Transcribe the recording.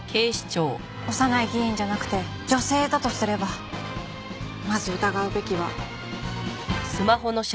小山内議員じゃなくて女性だとすればまず疑うべきはこの人ですよね。